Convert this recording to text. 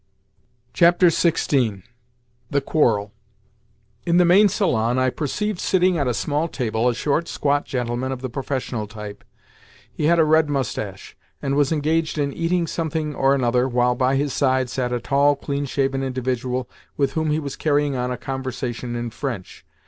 XVI. THE QUARREL In the main salon I perceived sitting at a small table a short, squat gentleman of the professional type. He had a red moustache, and was engaged in eating something or another, while by his side sat a tall, clean shaven individual with whom he was carrying on a conversation in French.